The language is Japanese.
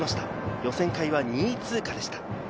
予選会は２位通過でした。